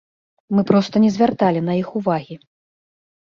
Мы проста не звярталі на іх увагі.